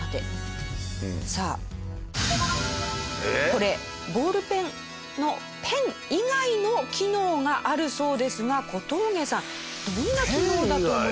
これボールペンのペン以外の機能があるそうですが小峠さんどんな機能だと思いますか？